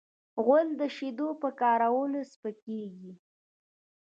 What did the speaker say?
غول د شیدو په کارولو سپکېږي.